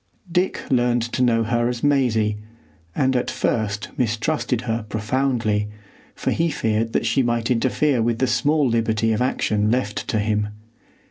Dick learned to know her as Maisie, and at first mistrusted her profoundly, for he feared that she might interfere with the small liberty of action left to him.